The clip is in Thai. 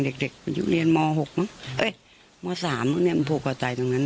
เด็กมันอยู่เรียนมหกมั้งเอ้ยมสามเนี่ยมันผูกกว่าใจตรงนั้น